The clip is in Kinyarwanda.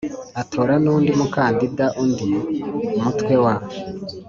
atora n undi mukandida undi Mutwe wa